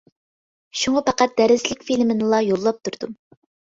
شۇڭا پەقەت دەرسلىك فىلىمىنىلا يوللاپ تۇردۇم.